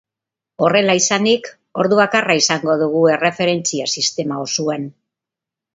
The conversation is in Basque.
Horrela izanik, ordu bakarra izango dugu erreferentzia-sistema osoan.